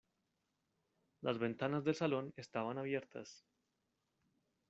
Las ventanas del salón estaban abiertas.